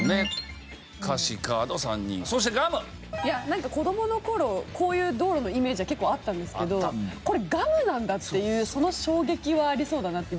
なんか子供の頃こういう道路のイメージは結構あったんですけどこれガムなんだっていうその衝撃はありそうだなって。